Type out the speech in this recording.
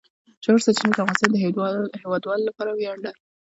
ژورې سرچینې د افغانستان د هیوادوالو لپاره ویاړ دی.